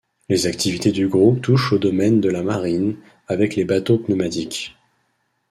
Les activités du groupe touchent aux domaines de la Marine avec les bateaux pneumatiques.